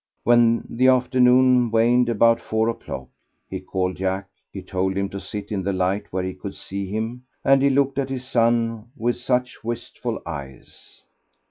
When the afternoon waned, about four o'clock, he called Jack; he told him to sit in the light where he could see him, and he looked at his son with such wistful eyes.